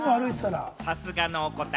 さすがのお答え。